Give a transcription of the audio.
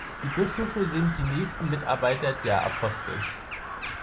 Die Bischöfe sind die nächsten Mitarbeiter der Apostel.